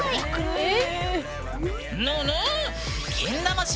えっ！